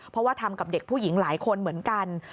เพราะว่าทำกับเด็กผู้หญิงหลายคนเหมือนกัน